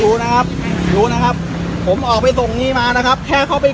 รู้นะครับรู้นะครับผมออกไปส่งนี้มานะครับแค่เข้าไป